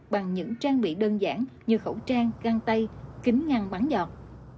bằng những trang bị đơn giản như khẩu trang găng tay kính ngăn bắn giọt